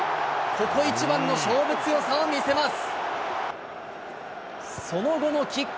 ここ一番の勝負強さを見せます。